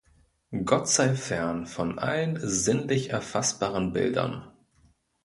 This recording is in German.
Gott sei fern von allen sinnlich erfassbaren Bildern.